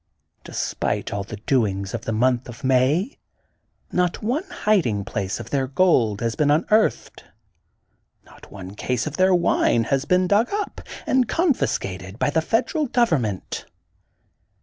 De spite all the doings of the month of May^ not one hiding place of their gold has been nn earthed^ not one case of their wine has been dug up and confiscated by the Federal Gov ernment.